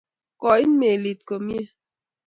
Koit melit komye.